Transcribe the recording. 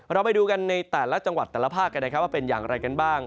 เราไปดูกันในแต่ละจังหวัดแต่ละภาคกันนะครับว่าเป็นอย่างไรกันบ้าง